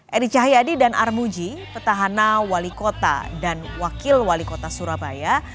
eri cahyadi dan armuji petahana wali kota dan wakil wali kota surabaya